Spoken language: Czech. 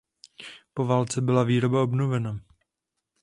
Po válce byla výroba obnovena.